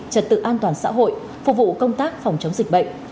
trật tự an toàn xã hội phục vụ công tác phòng chống dịch bệnh